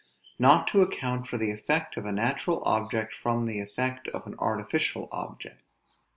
Not to account for the effect of a natural object from the effect of an artificial object.